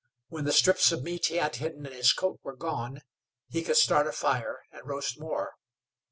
When the strips of meat he had hidden in his coat were gone, he could start a fire and roast more.